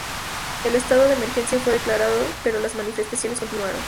El estado de emergencia fue declarado, pero las manifestaciones continuaron.